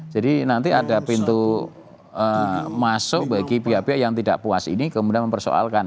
jadi nanti ada pintu masuk bagi pihak pihak yang tidak puas ini kemudian mempersoalkan